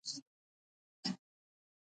بادام د افغانستان د طبیعت برخه ده.